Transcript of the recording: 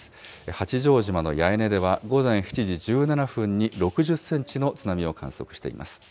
八丈島の八重根では、午前７時１７分に６０センチの津波を観測しています。